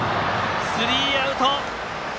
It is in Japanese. スリーアウト。